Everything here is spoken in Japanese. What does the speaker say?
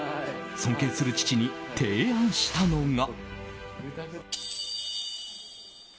尊敬する父に提案したのが。